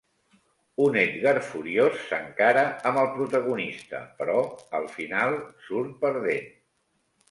Un Edgar furiós s'encara amb el protagonista, però al final surt perdent.